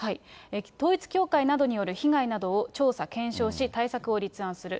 統一教会などによる被害などを調査・検証し、対策を立案する。